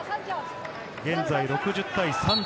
現在６０対３４。